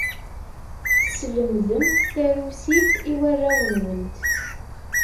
Teslemdemt tarusit i warraw-nwent.